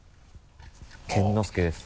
健之介です。